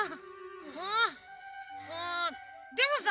んでもさ